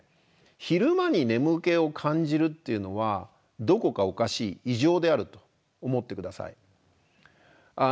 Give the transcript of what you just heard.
昼間に眠気を感じるっていうのはどこかおかしい異常であると思って下さい。